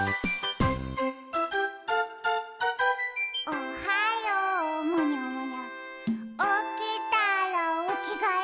「おはようむにゃむにゃおきたらおきがえ」